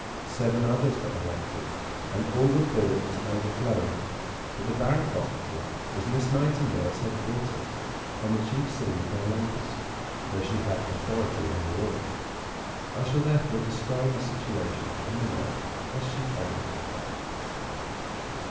Seven others were erected, and all were filled to overflowing; but the Barrack Hospital was Miss Nightingale's headquarters, and the chief scene of her labors, though she had authority over all; I shall therefore describe the situation and the work as she found it there.